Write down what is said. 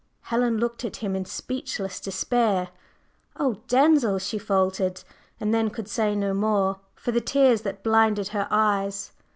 Helen looked at him in speechless despair. "Oh, Denzil!" she faltered, and then could say no more, for the tears that blinded her eyes.